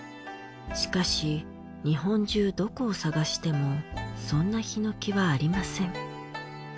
しかし日本中どこを探してもそんな檜はありません。